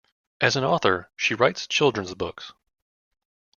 As an author, she writes children's books.